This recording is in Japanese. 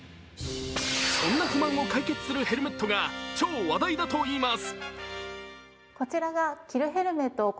そんな不満を解決するヘルメットが超話題だといいます。